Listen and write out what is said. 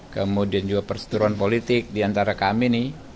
kemudian juga perseteruan politik diantara kami nih